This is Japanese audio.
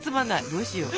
どうしよう。